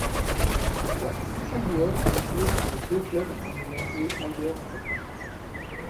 Toutefois, certains joueurs ont joué pour les deux clubs en ayant joué ailleurs entre-temps.